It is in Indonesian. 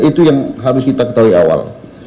itu yang harus kita ketahui awal